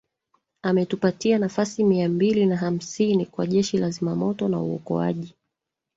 Ametupatia nafasi mia mbili na hamsini kwa Jeshi la Zimamoto na Uokoaji